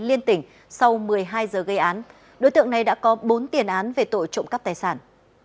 liên tỉnh sau một mươi hai giờ gây án đối tượng này đã có bốn tiền án về tội trộm cắp tài sản